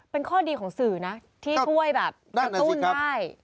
เป็นข้อดีของสื่อนะที่ช่วยแบบกระตุ้นได้